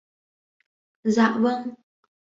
Dạ vâng